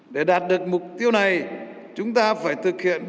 để đạt được mục tiêu này chúng ta phải thực hiện